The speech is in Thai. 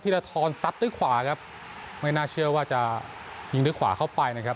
ละทรซัดด้วยขวาครับไม่น่าเชื่อว่าจะยิงด้วยขวาเข้าไปนะครับ